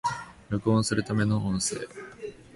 録音するための音声